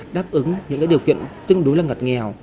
đáp ứng những điều kiện tương đối là ngặt nghèo